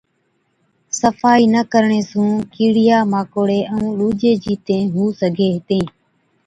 صفائِي نہ ڪرڻي سُون ڪِيڙِيا ماڪوڙي ائُون ڏُوجين جِيتيَين هُو سِگھي هِتين۔